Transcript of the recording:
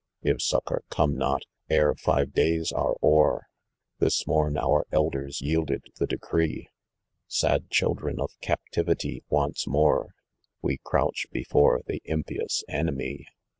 w If succour come not, ere fire days are o'er, This morn our elders yielded the decree, Sad children of captivity once more, We crouch before the impious enemy.